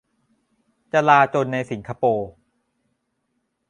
จลาจลในสิงคโปร์